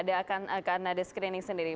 akan ada screening sendiri